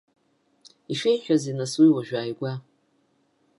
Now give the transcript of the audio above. Ишәеиҳәазеи, нас, уи уажә ааигәа?